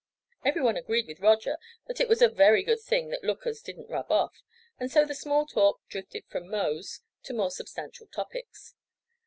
Everyone agreed with Roger that it was a very good thing that "lookers" didn't rub off, and so the small talk drifted from "Mose" to more substantial topics.